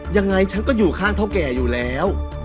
ยังไงฉันก็อยู่ข้างเท่าแก่อยู่แล้ว